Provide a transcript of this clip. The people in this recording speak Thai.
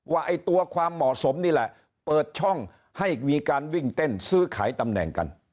ไอ้ตัวความเหมาะสมนี่แหละเปิดช่องให้มีการวิ่งเต้นซื้อขายตำแหน่งกัน